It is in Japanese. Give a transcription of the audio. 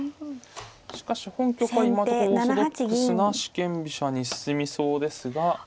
しかし本局は今のところオーソドックスな四間飛車に進みそうですが。